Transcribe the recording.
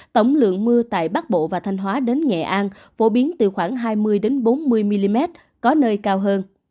tổng lượng mưa tại bắc bộ và thanh hóa đến nghệ an phổ biến từ khoảng hai mươi bốn mươi mm có nơi cao hơn